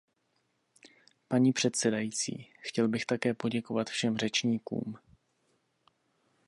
Paní předsedající, chtěl bych také poděkovat všem řečníkům.